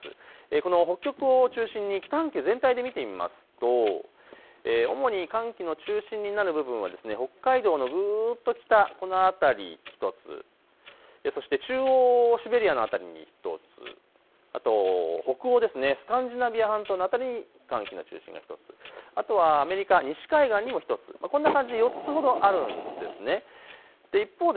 この北極を中心に北半球全体で見てみますと主に寒気の中心になる部分は北海道の北、この辺り１つ、そして中央シベリアの辺りに１つ、あと北欧スカンディナビア半島の辺り、寒気の中心が１つ、あとはアメリカ西海岸にも１つ、こんな感じで４つほどあるんですね。